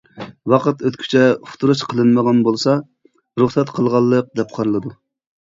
ۋاقىت ئۆتكۈچە ئۇقتۇرۇش قىلىنمىغان بولسا، رۇخسەت قىلغانلىق، دەپ قارىلىدۇ.